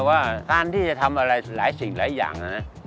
ว่าการที่จะทำอะไรหลายสิ่งหลายอย่างนะ